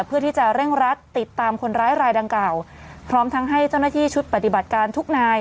เพื่อที่จะเร่งรัดติดตามคนร้ายรายดังกล่าวพร้อมทั้งให้เจ้าหน้าที่ชุดปฏิบัติการทุกนาย